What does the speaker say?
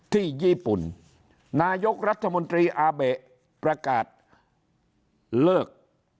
ที่ญี่ปุ่นนายกรัฐมนตรีอาเบะประกาศเลิก